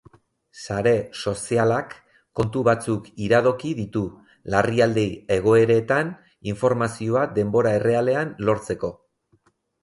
Sare sozialak kontu batzuk iradoki ditu, larrialdi egoeretan informazioa denbora errealean lortzeko.